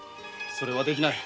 それはできない。